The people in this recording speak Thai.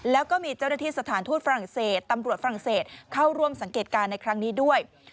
แล้วก็มีเจ้าหน้าที่สถานทูตฝรั่งเศสตำรวจฝรั่งเศสเข้าร่วมสังเกตการณ์ในครั้งนี้ด้วย